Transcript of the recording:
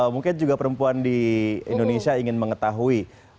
mungkin juga perempuan di indonesia ingin mengetahui